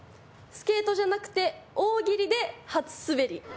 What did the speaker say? スケートじゃなくて大喜利で初すべり。